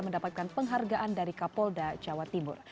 mendapatkan penghargaan dari kapolda jawa timur